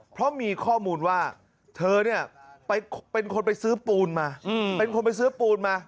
เพราะมีข้อมูลว่าเธอเนี่ยเป็นคนไปซื้อปูนมา